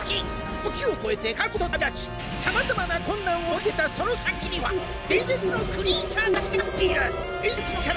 時を超えて過去へと旅立ちさまざまな困難を乗り越えたその先には伝説のクリーチャーたちが待っている。